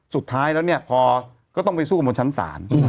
สุดท้ายแล้วเนี่ยพอก็ต้องไปสู้กันบนชั้นศาล